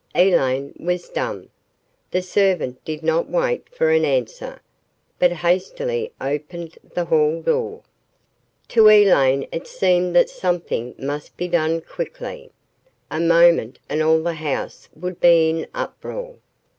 Elaine was dumb. The servant did not wait for an answer, but hastily opened the hall door. To Elaine it seemed that something must be done quickly. A moment and all the house would be in uproar.